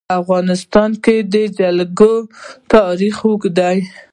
په افغانستان کې د جلګه تاریخ اوږد دی.